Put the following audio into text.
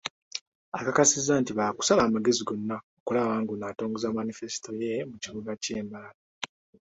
Akakasizza nti, baakusala amagezi gonna okulaba ng'ono atongoza manifesito ye mu kibuga kye Mbarara.